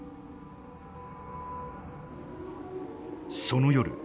その夜。